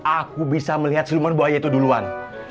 aku bisa melihat seluman buaya itu duluan